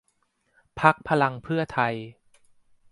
พรรคพลังเพื่อไทย